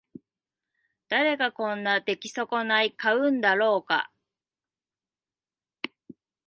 誰がこんな出来損ない買うんだろうか